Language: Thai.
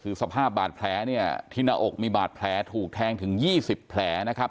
คือสภาพบาดแผลเนี่ยที่หน้าอกมีบาดแผลถูกแทงถึง๒๐แผลนะครับ